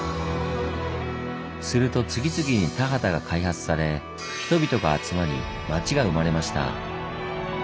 すると次々に田畑が開発され人々が集まり町が生まれました。